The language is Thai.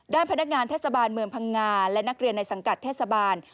ด้านพนักงานเทศบาลเมืองพังงาและนักเรียนในสังกัดเทศบาล